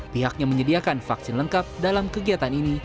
pihaknya menyediakan vaksin lengkap dalam kegiatan ini